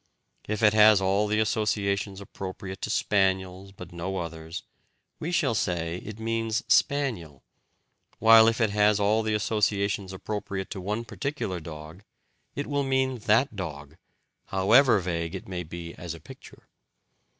If it has all the associations appropriate to spaniels but no others, we shall say it means "spaniel"; while if it has all the associations appropriate to one particular dog, it will mean that dog, however vague it may be as a picture.